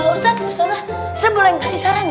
ustaz ustazah saya boleh yang kasih saran ya